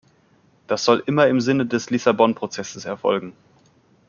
Das soll immer im Sinne des Lissabon-Prozesses erfolgen.